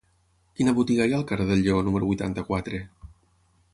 Quina botiga hi ha al carrer del Lleó número vuitanta-quatre?